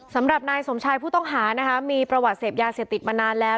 สำหรับนายสมชายผู้ต้องหานะคะมีประวัติเสพยาเสพติดมานานแล้ว